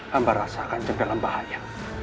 hamba rasakan jempolan bahaya